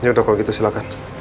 jangan dokter begitu silakan